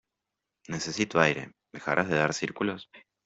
Necesito aire. ¿ dejarás de dar círculos?